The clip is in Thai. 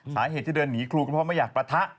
สาเหตุที่เดินหนีครูก็เพราะไม่อยากปะทะ